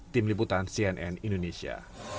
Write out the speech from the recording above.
tim liputan cnn indonesia